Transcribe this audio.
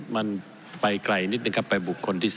มันไปไกลนิดนึงครับไปบุคคลที่๓